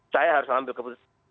saya harus mengambil keputusan